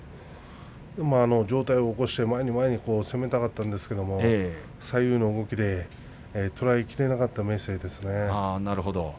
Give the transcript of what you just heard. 上体を起こして前に前に攻めたかったんですけれども左右の動きでとらえきれなかった明生ですね。